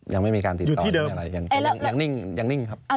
ยังไม่มีการติดต่อยังมีอะไรยังนิ่งครับอยู่ที่เดิม